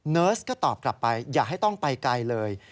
เนิร์สก็ตอบกลับไปอย่าให้ต้องไปไกลเลย